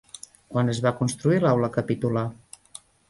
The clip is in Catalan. Quan es va construir l'Aula Capitular?